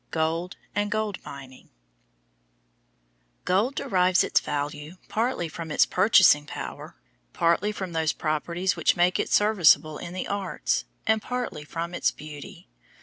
GOLD AND GOLD MINING Gold derives its value partly from its purchasing power, partly from those properties which make it serviceable in the arts, and partly from its beauty.